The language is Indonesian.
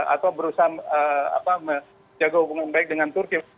atau berusaha menjaga hubungan baik dengan turki